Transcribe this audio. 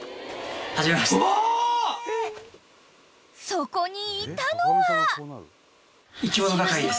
［そこにいたのは！］